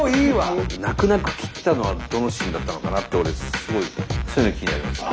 泣く泣く切ったのはどのシーンだったのかなって俺すごいそういうのは気になりますね。